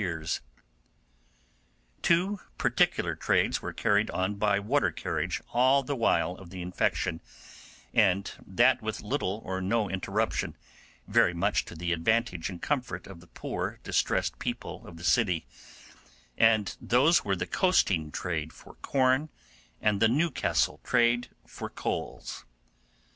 ] Two particular trades were carried on by water carriage all the while of the infection, and that with little or no interruption, very much to the advantage and comfort of the poor distressed people of the city: and those were the coasting trade for corn and the Newcastle trade for coals.